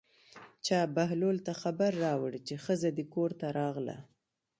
چا بهلول ته خبر راوړ چې ښځه دې کور ته راغله.